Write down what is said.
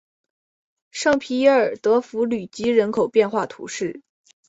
圣皮耶尔德弗吕吉人口变化图示